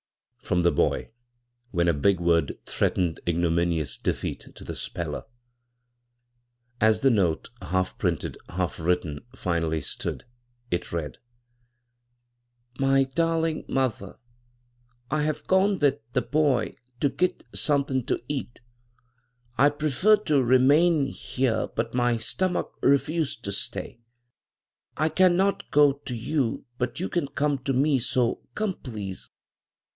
from the boy when a big word threatened ignominious defeat to the speller. As the note — half printed, half written — finally stood, it read :" My darling muther. i have gone with the Boy 2 git somethin 2 eat i preefur 2 re mane here but my Stomak refuzd 2 stay, i kan not go z yu but yu kan kum 2 me so kum pleze.